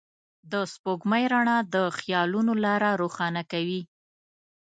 د سپوږمۍ رڼا د خيالونو لاره روښانه کوي.